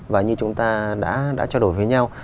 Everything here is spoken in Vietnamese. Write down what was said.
và như chúng ta đã trao đổi với nhau